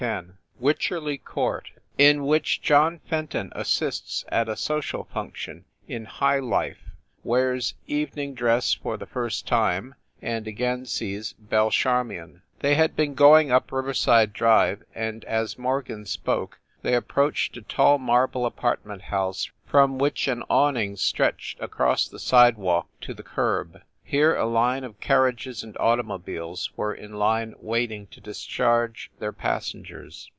X WYCHERLEY COURT IN WHICH JOHN FENTON ASSISTS AT A SOCIAL FUNC TION IN HIGH LIFE, WEARS EVENING DRESS FOR THE FIRST TIME, AND AGAIN SEES BELLE CHARMION THEY had been going up Riverside Drive, and, as Morgan spoke, they approached a tall mar ble apartment house from which an awning stretched, across the sidewalk, to the curb. Here a line of carriages and automobiles were in line wait ing to discharge their passengers.